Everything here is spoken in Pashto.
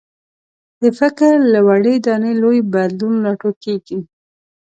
د فکر له وړې دانې لوی بدلون راټوکېږي.